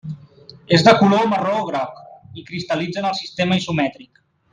És de color marró-groc, i cristal·litza en el sistema isomètric.